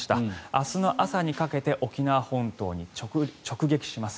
明日の朝にかけて沖縄本島に直撃します。